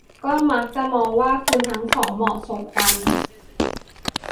ก็มักจะมองว่าคุณทั้งสองเหมาะสมกัน